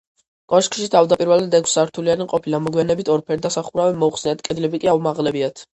კოშკი თავდაპირველად ექვსსართულიანი ყოფილა, მოგვიანებით ორფერდა სახურავი მოუხსნიათ, კედლები კი აუმაღლებიათ.